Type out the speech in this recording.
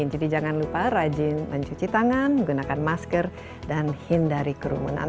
jadi jangan lupa rajin mencuci tangan menggunakan masker dan hindari kerumunan